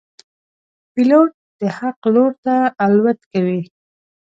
پیلوټ د حق لور ته الوت کوي.